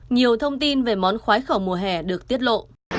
nhiều thông tin về món khoái khẩu mùa hè được tiết lộ